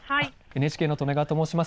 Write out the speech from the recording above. ＮＨＫの利根川と申します。